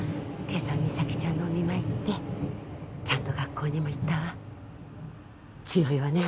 今朝実咲ちゃんのお見舞い行ってちゃんと学校にも行ったわ強いわね